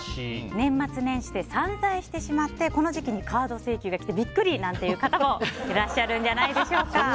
年末年始で散財してしまってこの時期にカード請求が来てビックリなんて方もいらっしゃるんじゃないでしょうか。